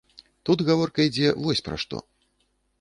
Тут гаворка ідзе вось пра што.